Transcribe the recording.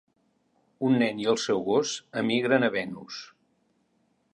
Un nen i el seu gos emigren a Venus.